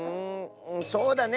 そうだね。